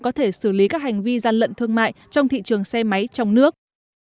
có thể xử lý các hành vi gian lận thương mại trong thị trường xe máy trong nước